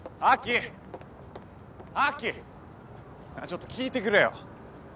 ちょっと聞いてくれよ。